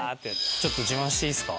ちょっと自慢していいですか？